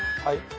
はい。